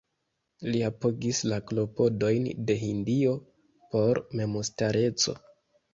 Li apogis la klopodojn de Hindio por memstareco.